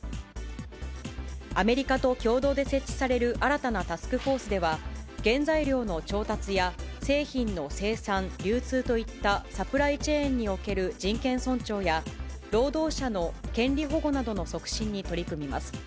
アメリカと共同で設置される新たなタスクフォースでは、原材料の調達や、製品の生産、流通といったサプライチェーンにおける人権尊重や、労働者の権利保護などの促進に取り組みます。